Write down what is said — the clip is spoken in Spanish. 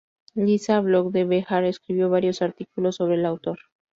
Lisa Block de Behar escribió varios artículos sobre el autor.